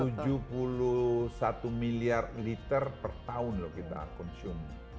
anda lihat tuh tujuh puluh satu miliar liter per tahun loh kita konsum